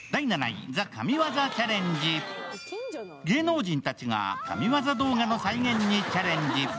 芸能人たちが神業動画の再現にチャレンジ。